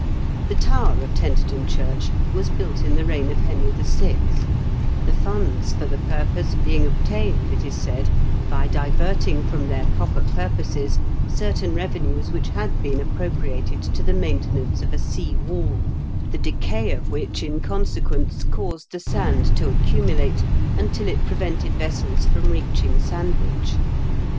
The tower of Tenterden church was built in the reign of Henry VL, the funds for the purpose being obtained, it is said, by diverting from their proper purposes certain revenues which had been appropriated to the maintenance of a sea wall, the decay of which in consequence caused the sand to accumulate until it prevented vessels from reaching Sand wich.